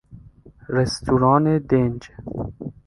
رستوران دنج